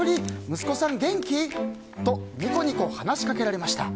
息子さん元気？とニコニコ話しかけられました。